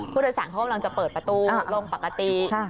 ผู้โดยสารเขากำลังจะเปิดประตูลงปกติ